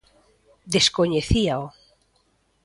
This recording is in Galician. Descoñecíao.